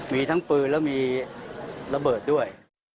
มีทั้งปืนและมีระเบิดด้วย